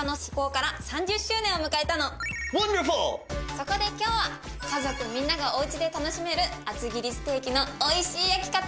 そこで今日は家族みんながおうちで楽しめる厚切りステーキの美味しい焼き方を紹介するわよ。